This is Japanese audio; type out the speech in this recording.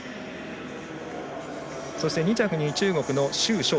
そして２着、中国の周召倩。